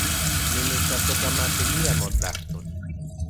Nimitstlasojkamatilia motlajtol